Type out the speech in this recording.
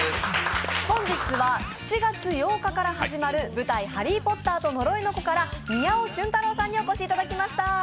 本日は７月８日から始まる舞台「ハリー・ポッターと呪いの子」から宮尾俊太郎さんにお越しいただきました。